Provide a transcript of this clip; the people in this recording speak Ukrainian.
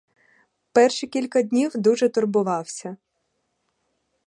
Перші кілька днів дуже турбувався.